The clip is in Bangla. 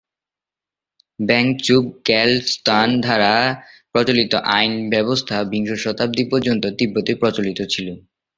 ব্যাং-ছুব-র্গ্যাল-ম্ত্শান দ্বারা প্রচলিত আইন ব্যবস্থা বিংশ শতাব্দী পর্যন্ত তিব্বতে প্রচলিত ছিল।